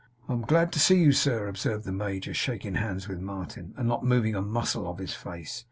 'I am glad to see you, sir,' observed the major, shaking hands with Martin, and not moving a muscle of his face.